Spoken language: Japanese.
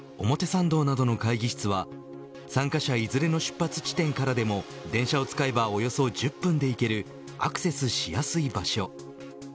表参道などの会議室は参加者いずれの出発地点からでも電車を使えばおよそ１０分で行けるアクセスしやすい場所。